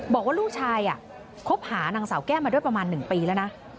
บอกว่าลูกชายคบหานางสาวแก้มมาด้วยประมาณ๑ปีแล้วนะ